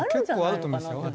結構あると思いますよ。